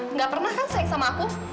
nggak pernah kan sayang sama aku